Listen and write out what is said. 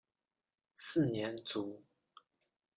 四年卒。